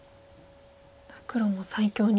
黒も最強に。